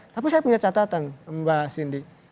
tapi saya punya catatan mbak cindy